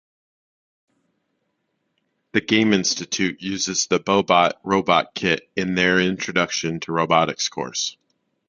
The "Game Institute" uses the Boe-Bot Robot kit in their Introduction to Robotics course.